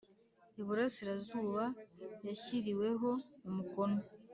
Iburasirazuba yashyiriweho umukono